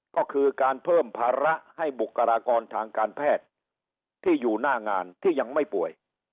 ก็คือการเพิ่มภาระให้บุคลากรทางการแพทย์ที่อยู่หน้างานที่ยังไม่ป่วย